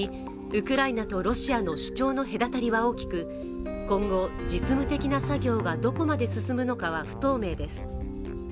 ウクライナとロシアの主張の隔たりは大きく、今後、実務的な作業がどこまで進むのかは不透明です。